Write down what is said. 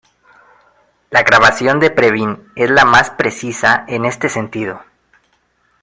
La grabación de Previn es la más precisa en este sentido.